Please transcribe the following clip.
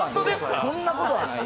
そんなことはない。